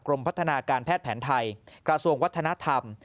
พัฒนาการแพทย์แผนไทยกระทรวงวัฒนธรรม